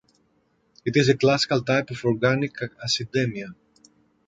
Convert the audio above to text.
It is a classical type of organic acidemia.